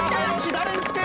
誰につく？